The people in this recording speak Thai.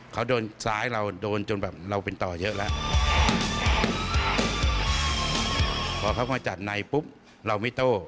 เขาโดนซ้ายเราโดนจนเราเป็นต่อเยอะแล้ว